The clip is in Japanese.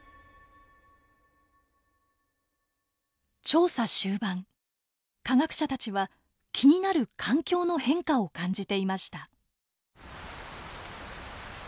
調査終盤科学者たちは気になる環境の変化を感じていました。